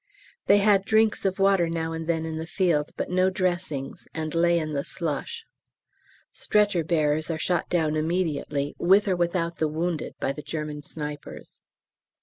They had drinks of water now and then in the field but no dressings, and lay in the slush. Stretcher bearers are shot down immediately, with or without the wounded, by the German snipers.